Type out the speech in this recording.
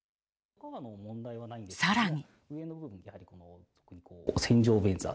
さらに。